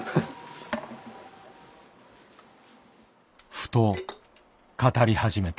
ふと語り始めた。